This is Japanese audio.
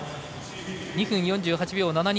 ２分４７秒８２。